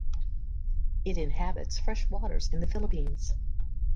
It inhabits freshwaters in the Philippines.